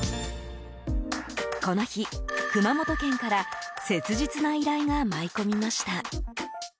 この日、熊本県から切実な依頼が舞い込みました。